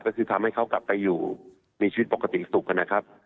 ก็คือทำให้เขากลับไปอยู่มีชีวิตปกติสุขนะครับ